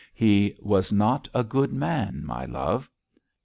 He was not a good man, my love.'